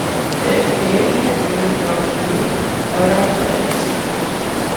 The Affiliation agreement marks a new era for the institute.